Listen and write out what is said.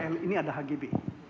hpl ini ada hgb